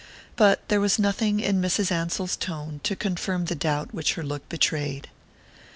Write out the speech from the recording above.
But there was nothing in Mrs. Ansell's tone to confirm the doubt which her look betrayed.